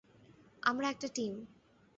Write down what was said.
আমরা একটা টিম।